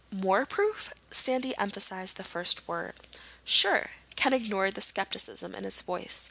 "More proof?" Sandy emphasized the first word. "Sure." Ken ignored the skepticism in his voice.